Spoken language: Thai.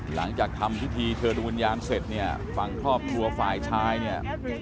หลังจากทำพิธีเชิญดูวิญญาณเสร็จเนี่ยฝั่งครอบครัวฝ่ายชายเนี่ย